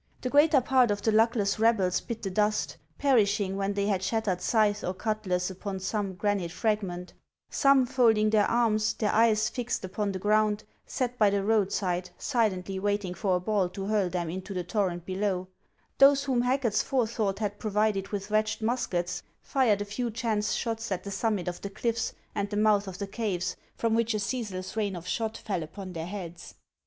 The greater part of the luckless rebels bit the dust, perish ing when they had shattered scythe or cutlass upon some granite fragment ; some, folding their arms, their eyes fixed upon the ground, sat by the roadside, silently wait ing for a ball to hurl them into the torrent below ; those whom Racket's forethought had provided with, wretched muskets, fired a few chance shots at the summit of the cliffs and the mouth of the caves, from which a cease less rain of shot fell upon their heads.